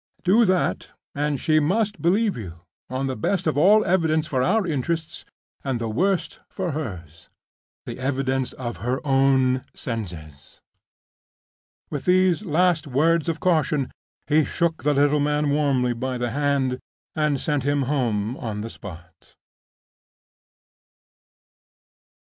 Do that, and she must believe you, on the best of all evidence for our interests, and the worst for hers—the evidence of her own senses." With those last words of caution, he shook the little man warmly by the hand and sent him home on the spot.